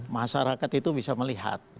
masyarakat itu bisa melihat